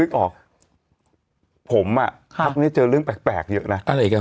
ลึกออกผมอ่ะครับครับเนี้ยเจอเรื่องแปลกแปลกเยอะน่ะอะไรกัน